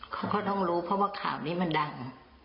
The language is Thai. เขาก็ต้องรู้เพราะว่าข่าวนี้มันดัง